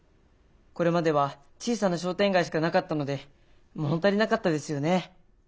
これまでは小さな商店街しかなかったので物足りなかったですよね。